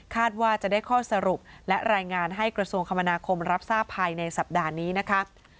ว่าจะได้ข้อสรุปและรายงานให้กระทรวงคมนาคมรับทราบภายในสัปดาห์นี้นะคะ